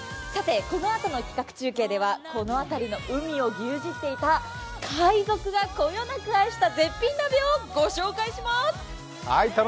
このあとの企画中継では、この辺りの海を牛耳っていた海賊がこよなく愛した絶品鍋をご紹介します。